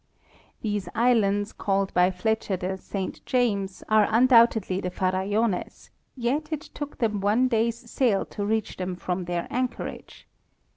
* These islands, called by Fletcher the Saint James, are un doubtedly the Farallones, yet it took them one day's sail to reach them from their anchorage.